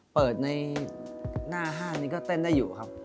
เปิดในหน้าห้างนี้ก็เต้นได้อยู่ครับ